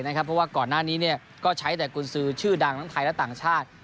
เพราะว่าก่อนหน้านี้ก็ใช้แต่กุญสือชื่อดังทั้งไทยและต่างชาติ